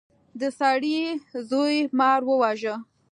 د سړي زوی مار وواژه.